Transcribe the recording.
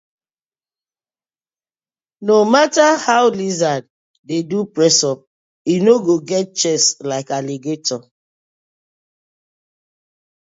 No matter how lizard dey do press up e no go get chest like alligator: